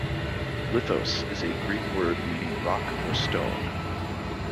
"Lithos" is a Greek word meaning "rock" or "stone.